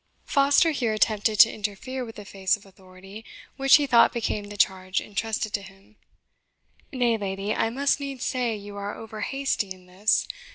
Foster here attempted to interfere with a face of authority, which he thought became the charge entrusted to him, "Nay, lady, I must needs say you are over hasty in this.